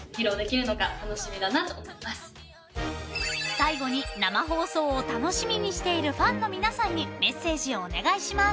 ［最後に生放送を楽しみにしているファンの皆さんにメッセージをお願いします］